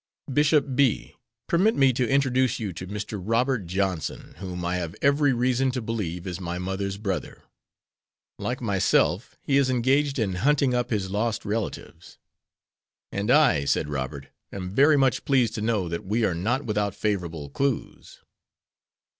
Bishop B , permit me to introduce you to Mr. Robert Johnson, whom I have every reason to believe is my mother's brother. Like myself, he is engaged in hunting up his lost relatives." "And I," said Robert, "am very much pleased to know that we are not without favorable clues."